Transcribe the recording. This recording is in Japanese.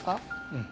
うん。